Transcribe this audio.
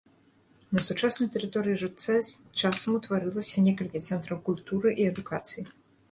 На сучаснай тэрыторыі жудца з часам утварылася некалькі цэнтраў культуры і адукацыі.